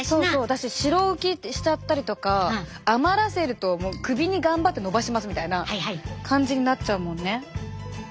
私白浮きしちゃったりとか余らせると首に頑張ってのばしますみたいな感じになっちゃうもんね。